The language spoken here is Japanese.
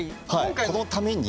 はいこのために。